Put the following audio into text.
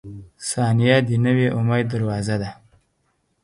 • ثانیه د نوي امید دروازه ده.